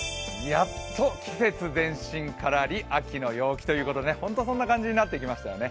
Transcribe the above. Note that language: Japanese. やっと季節前進カラリ秋の陽気ということで本当にそんな感じになってきましたよね。